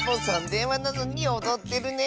でんわなのにおどってるね。